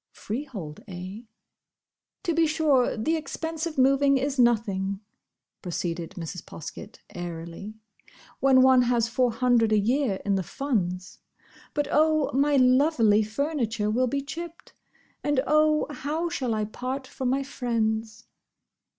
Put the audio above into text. Freehold, eh? "To be sure, the expense of moving is nothing," proceeded Mrs. Poskett, airily, "when one has Four hundred a year in the Funds. But oh! my lovely furniture will be chipped! and, oh! how shall I part from my friends?"